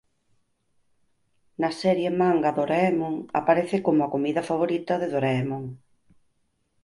Na serie manga Doraemon aparece como a comida favorita de Doraemon.